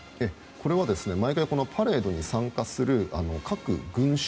これは毎回パレードに参加する各軍種